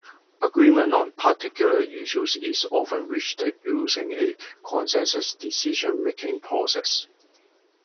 Agreement on particular issues is often reached using a consensus decision making process.